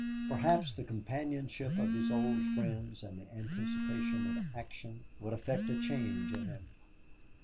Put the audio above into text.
Perhaps the companionship of his old friends and the anticipation of action would effect a change in him.